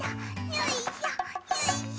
よいしょよいしょ。